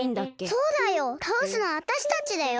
そうだよたおすのはわたしたちだよ。